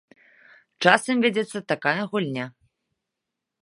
Часам вядзецца такая гульня.